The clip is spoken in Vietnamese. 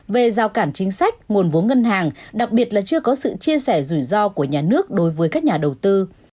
về giao cản chính sách nguồn vốn ngân hàng đặc biệt là chưa có sự chia sẻ rủi ro của nhà nước đối với các nhà đầu tư